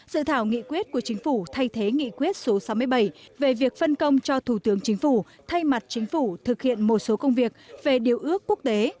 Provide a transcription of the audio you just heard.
dự thảo nghị quyết của chính phủ thay thế nghị quyết số sáu mươi bảy về việc phân công cho thủ tướng chính phủ thay mặt chính phủ thực hiện một số công việc về điều ước quốc tế